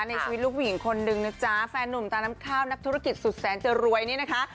ในชีวิตลูกผู้หญิงคนนึงนะจ๊ะแฟนนุ่มตาน้ำข้าวนักธุรกิจสุดแสนจะรวยนี่นะคะ